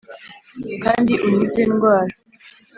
kandi unkize indwara